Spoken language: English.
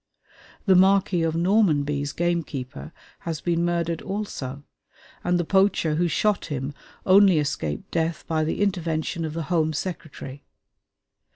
The Marquis of Normanby's gamekeeper has been murdered also, and the poacher who shot him only escaped death by the intervention of the Home Secretary.